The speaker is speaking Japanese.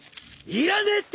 いらねえっての！